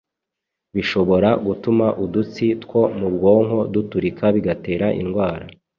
bishobora gutuma udutsi two mu bwonko duturika bigatera indwara